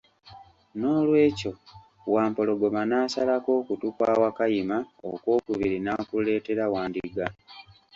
N'olwekyo Wampologoma nasalako okutu kwa Wakayima okw'okubiri n'akuleetera Wandiga.